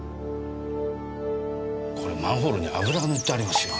これマンホールに油が塗ってありますよ。